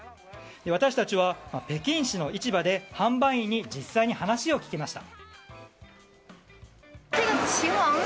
私たちは北京市の市場で販売員に実際に話を聞きました。